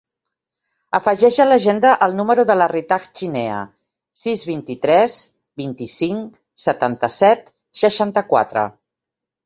Afegeix a l'agenda el número de la Ritaj Chinea: sis, vint-i-tres, vint-i-cinc, setanta-set, seixanta-quatre.